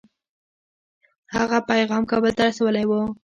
هغه پیغام کابل ته رسولی وو.